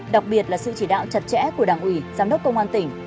đặc biệt là sự chỉ đạo chặt chẽ của đảng ủy giám đốc công an tỉnh